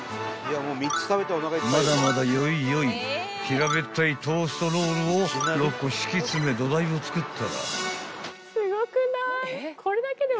［まだまだよいよい平べったいトーストロールを６個敷き詰め土台をつくったら］